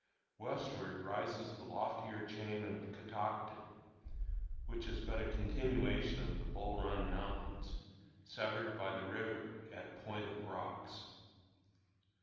Westward rises the loftier chain of the Catoctin, which is but a continuation of the Bull Run Mountains, severed by the river at Point of Rocks.